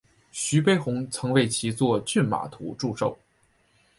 徐悲鸿曾为其作骏马图祝寿。